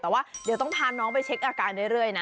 แต่ว่าเดี๋ยวต้องพาน้องไปเช็คอาการเรื่อยนะ